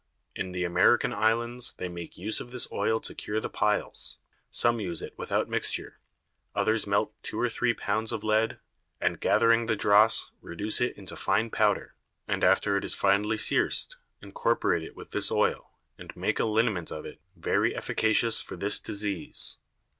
In the American Islands they make use of this Oil to cure the Piles; some use it without Mixture, others melt two or three Pounds of Lead, and gathering the Dross, reduce it into fine Powder, and after it is finely searced, incorporate it with this Oil, and make a Liniment of it very efficacious for this Disease.